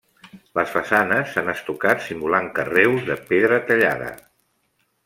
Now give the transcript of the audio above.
Les façanes s'han estucat simulant carreus de pedra tallada.